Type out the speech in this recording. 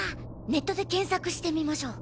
ネットで検索してみましょう。